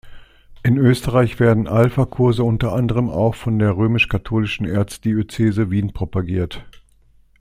In Österreich werden Alpha-Kurse unter anderem auch von der römisch-katholischen Erzdiözese Wien propagiert.